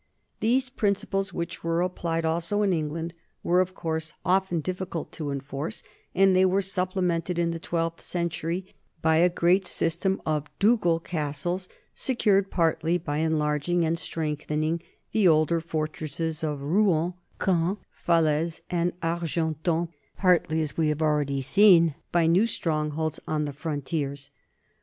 These principles, which were applied also in England, were of course often difficult to enforce, and they were supplemented in the twelfth century by the development of a great system of ducal castles, secured partly by enlarging and strengthening the older for tresses of Rouen, Caen, Falaise, and Argentan, partly, as we have already seen, by new strongholds on the frontiers.